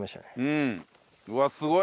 うわっすごいね！